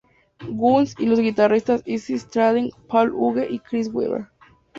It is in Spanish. Guns, y los guitarristas Izzy Stradlin, Paul Huge y Chris Weber.